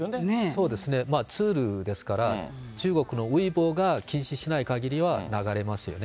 そうですね、ツールですから、中国のウェイボーが禁止しないかぎりは流れますよね。